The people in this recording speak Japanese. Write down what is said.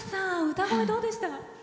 歌声どうでした？